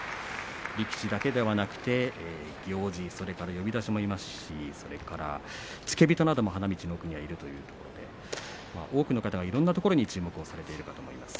力士だけではなく行司、呼出しもいますしそれから付け人なども花道の奥にいるということで多くの方がいろんなところに注目されているかと思います。